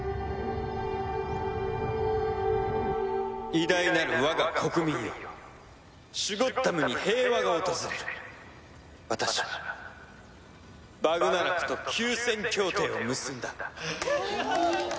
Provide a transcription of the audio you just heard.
「偉大なる我が国民よ」「シュゴッダムに平和が訪れる」「私はバグナラクと休戦協定を結んだ！」